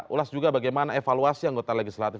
ulas juga bagaimana evaluasi anggota legislatif